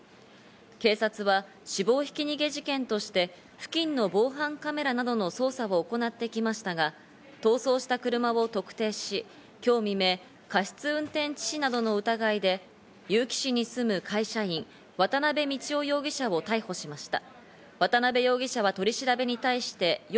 警察は、死亡ひき逃げ事件として付近の防犯カメラなどの捜査を行ってきましたが、逃走した車を特定し今日未明、過失運転致死などの疑いで結城市に住む会社員・渡辺道雄容疑者を逮捕しました。